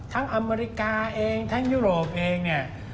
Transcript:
ทั้งอเมริกาเองทั้งยุโรปเอง